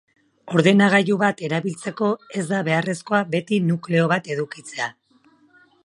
Ordenagailu bat erabiltzeko ez da beharrezkoa beti nukleo bat edukitzea.